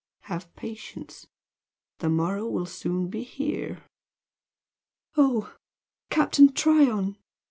Have patience. The morrow will soon be here." "Oh, Captain Tryon!"